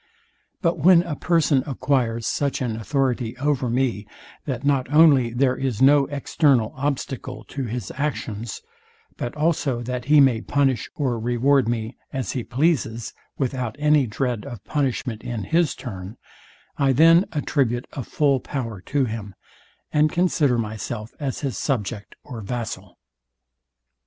But when a person acquires such an authority over me, that not only there is no external obstacle to his actions; but also that he may punish or reward me as he pleases, without any dread of punishment in his turn, I then attribute a full power to him, and consider myself as his subject or vassal.